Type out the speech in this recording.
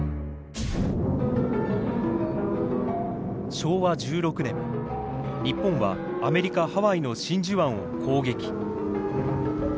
昭和１６年日本はアメリカ・ハワイの真珠湾を攻撃。